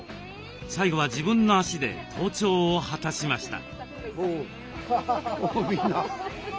最後は自分の足で登頂を果たしました。